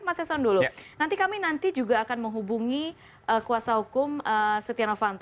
mas eson dulu nanti kami nanti juga akan menghubungi kuasa hukum setia novanto